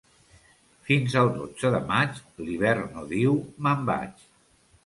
Fins al dotze de maig l'hivern no diu: «me'n vaig».